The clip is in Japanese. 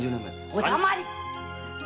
お黙り！